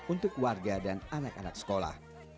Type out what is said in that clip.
untuk warga dan anak anak sekolah